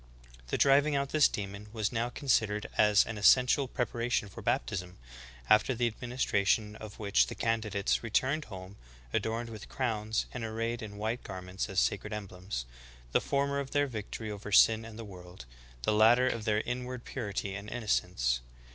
''The driving out this demon was now considered as an essential preparation for baptism, after the administra tion of which the candidates returned home, adorned with crowns, and arrayed in white garments, as sacred emblems, — the former of their victory over sin and the world; the latter of their inward purity and innocence."